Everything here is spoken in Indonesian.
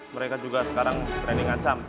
mereka juga sekarang training acam